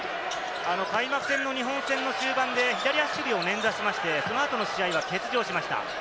開幕戦の日本戦の終盤で左足首を捻挫しまして、その後の試合は欠場しました。